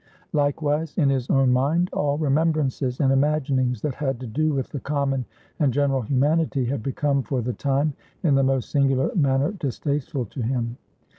Likewise in his own mind all remembrances and imaginings that had to do with the common and general humanity had become, for the time, in the most singular manner distasteful to him.